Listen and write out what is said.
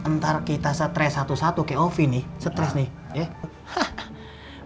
ntar kita stress satu satu kayak ovi nih stress nih ya